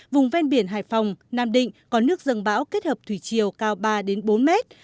vùng ven biển hải phòng nam định có nước dân bão kết hợp thủy chiều cao ba bốn mét